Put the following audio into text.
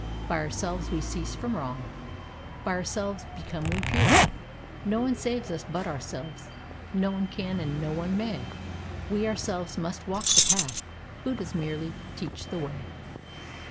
By ourselves we cease from wrong, By ourselves become we pure. No one saves us but ourselves, No one can and no one may: We ourselves must walk the path, Buddhas merely teach the way."